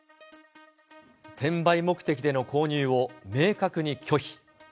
転売目的での購入を明確に拒否。